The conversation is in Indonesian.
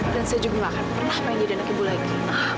dan saya juga gak akan pernah menjadi anak ibu lagi